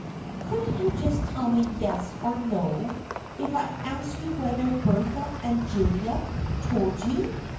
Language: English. Couldn't you just tell me yes or no if I ask you whether Bertha and Julia told you